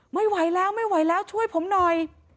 ไม่ไหวแล้วไม่ไหวแล้วช่วยผมหน่อย